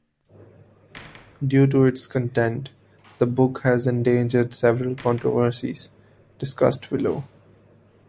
Due to its content, the book has engendered several controversies, discussed below.